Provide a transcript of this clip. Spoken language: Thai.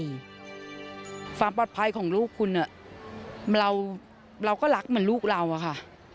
ความปลอดภัยของลูกคุณเราก็รักเหมือนลูกเราอะค่ะ